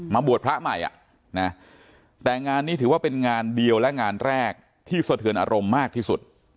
บวชพระใหม่แต่งานนี้ถือว่าเป็นงานเดียวและงานแรกที่สะเทือนอารมณ์มากที่สุด